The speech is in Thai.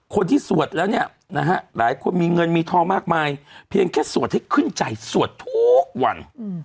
สวดแล้วเนี่ยนะฮะหลายคนมีเงินมีทองมากมายเพียงแค่สวดให้ขึ้นใจสวดทุกวัน